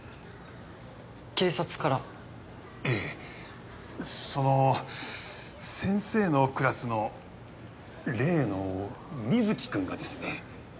ええその先生のクラスの例の水城君がですね。